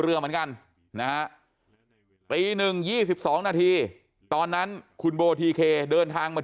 เรือเหมือนกันนะฮะตี๑๒๒นาทีตอนนั้นคุณโบทีเคเดินทางมา